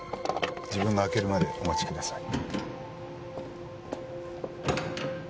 自分が開けるまでお待ちください。